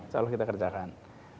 kalau kita kerjakan